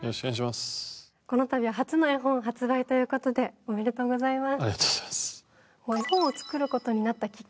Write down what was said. このたびは初の絵本発売ということでおめでとうございます。